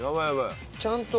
ちゃんと。